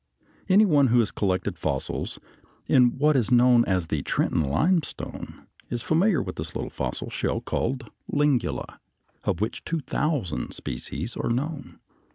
Any one who has collected fossils in what is known as the Trenton limestone is familiar with the little fossil shell called Lingula, of which two thousand species are known.